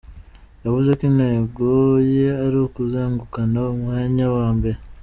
Yavuze ko intego ye ari ukuzegukana umwanya wa mbere.